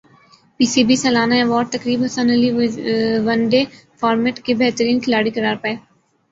پی C B سالانہ award تقریب Hasan Ali one day format کے بہترین کھلاڑی قرار پائے